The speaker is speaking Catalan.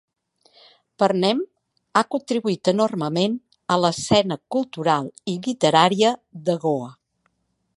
Pernem ha contribuït enormement a l'escena cultural i literària de Goa.